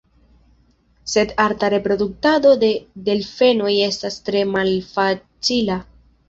Sed arta reproduktado de delfenoj estas tre malfacila.